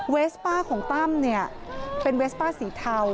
เวสป้าของตั้มเนี่ยเป็นเวสป้าสีเทา